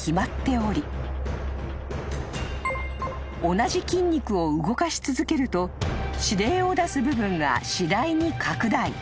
［同じ筋肉を動かし続けると指令を出す部分が次第に拡大］